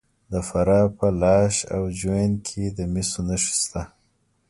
د فراه په لاش او جوین کې د مسو نښې شته.